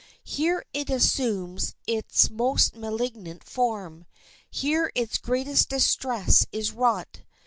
Here it assumes its most malignant form, here its greatest distress is wrought.